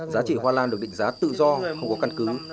giá trị hoa lan được định giá tự do không có căn cứ